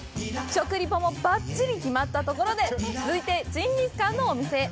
食リポもばっちり決まったところで続いて、ジンギスカンのお店へ。